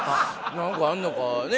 何かあんのかね